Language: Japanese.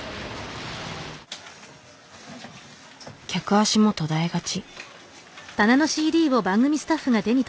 客足も途絶えがち。